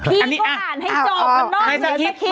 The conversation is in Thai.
พี่ขออ่านให้จอดมานอกเลยนะครับ